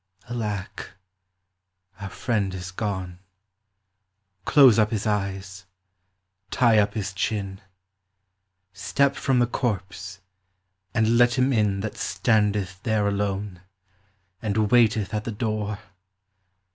Alack ! our friend is gone. Close up his eyes : tie up his chin : Step from the corpse, and let him in That staiideth there alone, And waiteth at the door.